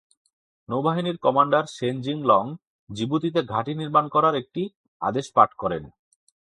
নৌবাহিনীর commander Shen Jinlong জিবুতিতে ঘাঁটি নির্মাণ করার একটি আদেশ পাঠ করেন।